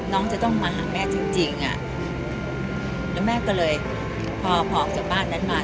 น้องจะต้องมาหาแม่จริงจริงอ่ะแล้วแม่ก็เลยพอออกจากบ้านนั้นมา